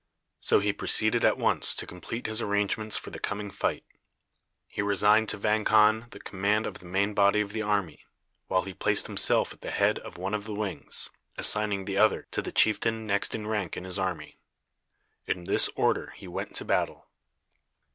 So he proceeded at once to complete his arrangements for the coming fight. He resigned to Vang Khan the command of the main body of the army, while he placed himself at the head of one of the wings, assigning the other to the chieftain next in rank in his army. In this order he went into battle.